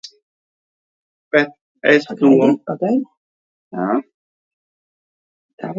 Bet, es domāju, tas nav mūsu mērķis.